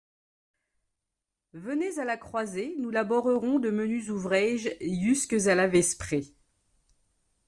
Venez à la croisée, nous laborerons de menus ouvraiges iusques à la vesprée.